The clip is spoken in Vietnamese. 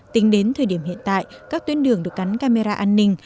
tính đến thời điểm hiện tại các tuyến đường được cắn camera an ninh